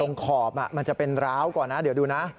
ขอบมันจะเป็นร้าวก่อนนะเดี๋ยวดูนะ